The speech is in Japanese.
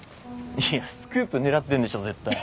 いやスクープ狙ってんでしょ絶対。